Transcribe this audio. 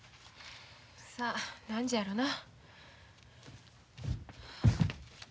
さあ何時やろな。